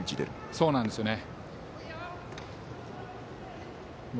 そうなんですよね。